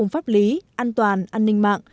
pháp lý an toàn an ninh mạng